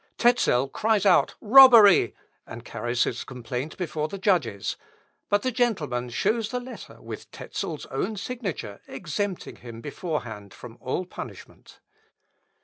Tezel cries out robbery, and carries his complaint before the judges, but the gentleman shows the letter with Tezel's own signature, exempting him beforehand from all punishment.